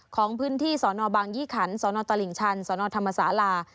ของพื้นที่สนบางยี่ขันสนตลิ่งชันสนธรรมศาลา